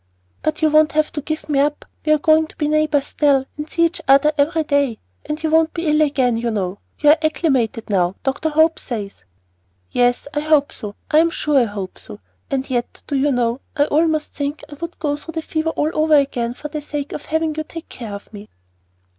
"But you won't have to give me up; we are going to be neighbors still, and see each other every day. And you won't be ill again, you know. You are acclimated now, Dr. Hope says." "Yes I hope so; I am sure I hope so. And yet, do you know, I almost think I would go through the fever all over again for the sake of having you take care of me!"